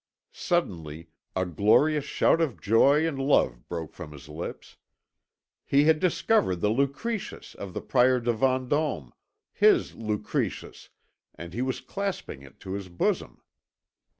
Suddenly a glorious shout of joy and love broke from his lips. He had discovered the Lucretius of the Prior de Vendôme, his Lucretius, and he was clasping it to his bosom.